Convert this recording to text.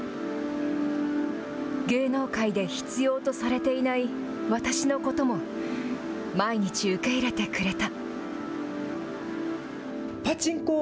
芸能界で必要とされていない私のことも、毎日受け入れてくれた。